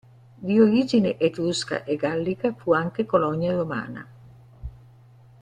Di origine etrusca e gallica, fu anche colonia romana.